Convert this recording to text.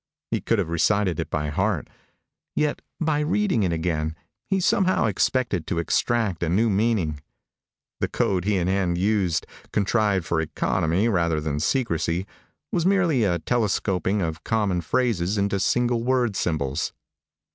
He could have recited it by heart; yet, by reading it again, he somehow expected to extract a new meaning. The code he and Ann used, contrived for economy rather than secrecy, was merely a telescoping of common phrases into single word symbols.